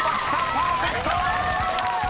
パーフェクト！］